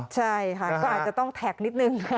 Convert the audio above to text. ใช่ค่ะก็อาจจะต้องแท็กนิดนึง